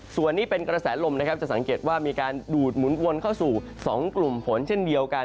ส่วนนี้เป็นกระแสลมนะครับจะสังเกตว่ามีการดูดหมุนวนเข้าสู่๒กลุ่มฝนเช่นเดียวกัน